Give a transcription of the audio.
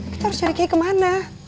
kita harus cari kayak kemana